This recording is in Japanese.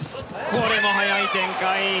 これも速い展開。